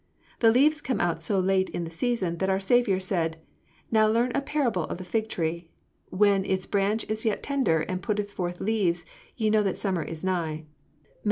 The leaves come out so late in the season that our Saviour said, 'Now learn a parable of the fig tree; when his branch is yet tender, and putteth forth leaves, ye know that summer is nigh.'